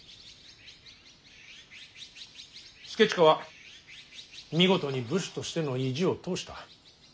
祐親は見事に武士としての意地を通した。